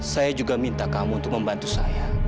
saya juga minta kamu untuk membantu saya